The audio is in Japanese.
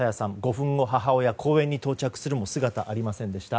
５分後、母親が公園に向かうもその姿はありませんでした。